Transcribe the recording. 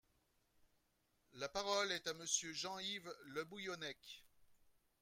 La parole est à Monsieur Jean-Yves Le Bouillonnec.